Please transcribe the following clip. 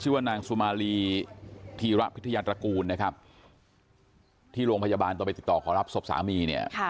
ชื่อว่านางสุมารีที่รับพิทธิยันต์ตระกูลที่โรงพยาบาลต่อไปติดต่อขอรับศพสามี